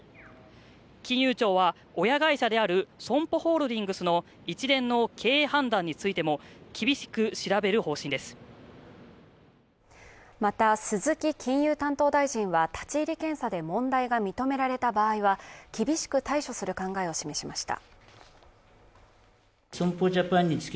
金融庁は親会社であるＳＯＭＰＯホールディングスの一連の経営判断についても厳しく調べる方針ですまた鈴木金融担当大臣は立ち入り検査で問題が認められた場合は厳しく対処する考えを示しました